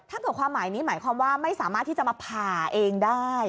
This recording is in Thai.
ถ้าเกิดความหมายนี้หมายความว่าไม่สามารถที่จะมาผ่าเองได้